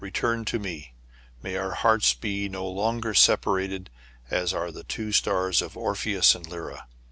return to me ! May our hearts no longer be separated as are the two stars of Orpheus and Lyra